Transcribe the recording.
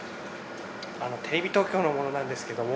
テレビ東京の者なんですけども。